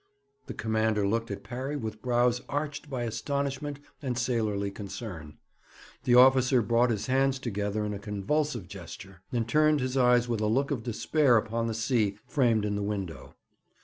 The commander looked at Parry with brows arched by astonishment and sailorly concern. The officer brought his hands together in a convulsive gesture, and turned his eyes with a look of despair upon the sea, framed in the window.